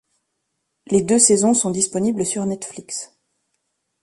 Les deux saisons sont disponibles sur Netflix.